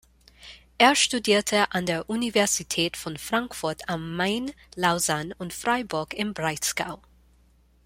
Er studierte an der Universität von Frankfurt am Main, Lausanne und Freiburg im Breisgau.